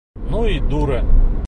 Ну и дура!